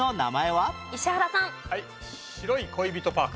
はい白い恋人パーク。